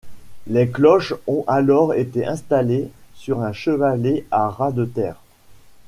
Les cloches ont alors été installées sur un chevalet à ras de terre.